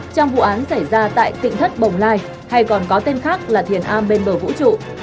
trong vụ án xảy ra tại tỉnh thất bồng lai hay còn có tên khác là thiền a bên bờ vũ trụ